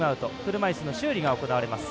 車いすの修理が行われます。